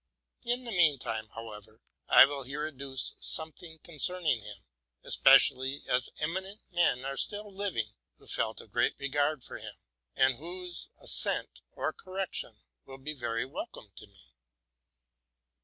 In the mean time, however, I will here adduce something concerning him, especially as eminent men are still living who felt a great regard for him, and whose assent or correction will be very welcome to me.